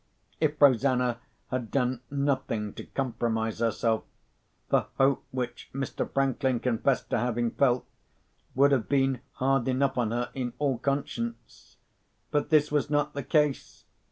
If Rosanna had done nothing to compromise herself, the hope which Mr. Franklin confessed to having felt would have been hard enough on her in all conscience. But this was not the case.